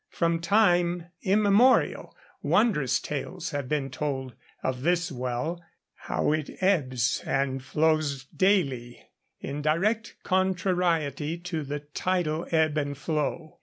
From time immemorial wondrous tales have been told of this well, how it ebbs and flows daily in direct contrariety to the tidal ebb and flow.